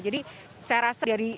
jadi saya rasa dari